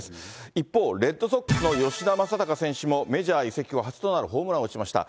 一方、レッドソックスの吉田正尚選手もメジャー移籍後初となるホームランを打ちました。